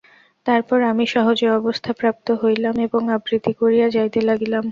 তারপর আমি সহজ অবস্থা প্রাপ্ত হইলাম এবং আবৃত্তি করিয়া যাইতে লাগিলাম।